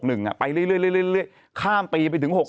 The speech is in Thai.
หนึ่งอ่ะไปเรื่อยเรื่อยเรื่อยเรื่อยเรื่อยข้ามปีไปถึงหก